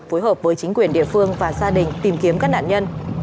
phối hợp với chính quyền địa phương và gia đình tìm kiếm các nạn nhân